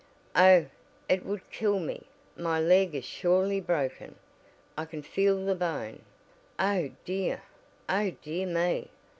"Oh, it would kill me. My leg is surely broken. I can feel the bone. Oh, dear! Oh dear me!